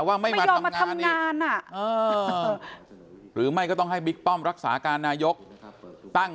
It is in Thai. ว่าไม่ยอมมาทำงานหรือไม่ก็ต้องให้บิ๊กป้อมรักษาการนายกตั้ง